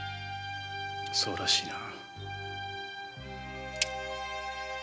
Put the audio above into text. そうらしいな。